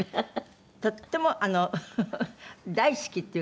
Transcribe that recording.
とっても大好きっていう感じね。